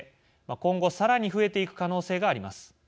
今後、さらに増えていく可能性があります。